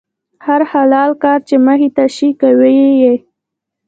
هر حلال کار چې مخې ته شي، کوي یې.